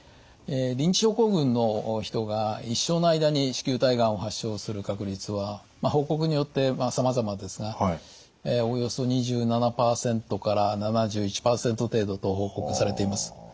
リンチ症候群の人が一生の間に子宮体がんを発症する確率は報告によってさまざまですがおよそ２７％から７１％程度と報告されています。